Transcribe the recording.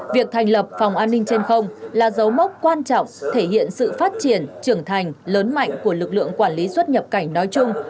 việc thành lập phòng an ninh trên không là dấu mốc quan trọng thể hiện sự phát triển trưởng thành lớn mạnh của lực lượng quản lý xuất nhập cảnh nói chung